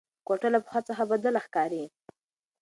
کوټه له پخوا څخه بدله ښکاري.